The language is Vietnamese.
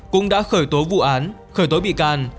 cũng đã khởi tố vụ án khởi tố bị can